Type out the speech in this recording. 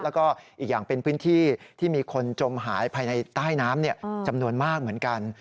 แล้วก็อีกอย่างเป็นพื้นที่ที่มีคนจมหายภายในใต้น้ำจำนวนมากเหมือนกัน